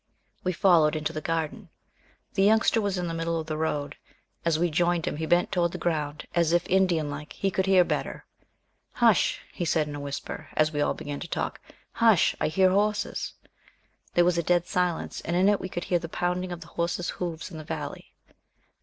We followed into the garden. The Youngster was in the middle of the road. As we joined him he bent toward the ground, as if, Indian like, he could hear better. "Hush," he said in a whisper, as we all began to talk. "Hush! I hear horses." There was a dead silence, and in it, we could hear the pounding of horses' hoofs in the valley.